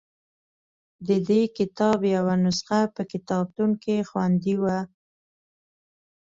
د دې کتاب یوه نسخه په کتابتون کې خوندي وه.